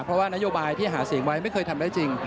เพราะว่านโยบายที่หาเสียงไว้ไม่เคยทำได้จริง